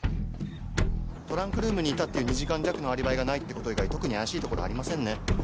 トランクルームにいたっていう２時間弱のアリバイがないってこと以外特に怪しいところありませんね。